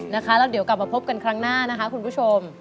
แล้วเดี๋ยวกลับมาพบกันครั้งหน้านะคะคุณผู้ชม